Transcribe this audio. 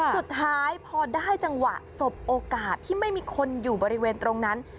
สุดท้ายพอได้จังหวะสบโอกาสที่ไม่มีคนอยู่บริเวณตรงนั้น